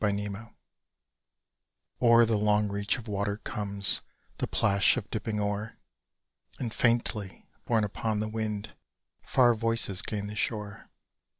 REVERIE O'er the long reach of water comes The plash of dipping oar, And faintly, borne upon the wind, Far voices gain the shore.